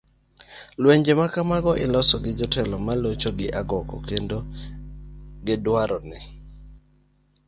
lwenje ma kamago iloso gi jotelo ma locho gi agoko, kendo gidwaro ni